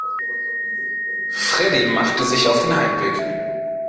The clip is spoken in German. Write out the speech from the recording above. Freddie machte sich auf den Heimweg.